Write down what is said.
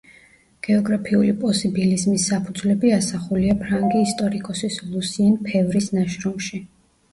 გეოგრაფიული პოსიბილიზმის საფუძვლები ასახულია ფრანგი ისტორიკოსის ლუსიენ ფევრის ნაშრომში.